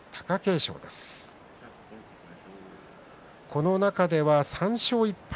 この中では３勝１敗